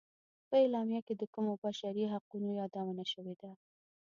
په اعلامیه کې د کومو بشري حقونو یادونه شوې ده.